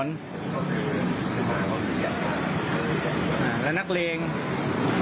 เขาคือคือบ้านของศึกแย่งข้างใน